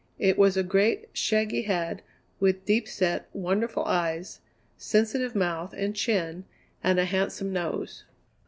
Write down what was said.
It was a great, shaggy head with deep set, wonderful eyes, sensitive mouth and chin, and a handsome nose.